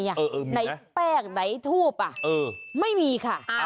ไหนแป้งไหนทูบไม่มีค่ะ